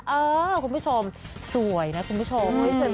เออคุณผู้ชมสวยนะคุณผู้ชม